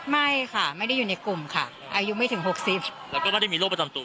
ไม่ค่ะไม่ได้อยู่ในกลุ่มค่ะอายุไม่ถึง๖๐แล้วก็ไม่ได้มีโรคประจำตัว